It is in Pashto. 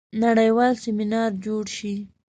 نړیوال سیمینار جوړ شي.